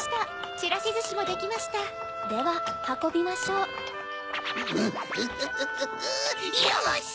ちらしずしもできました・・でははこびましょう・ムフフフよし！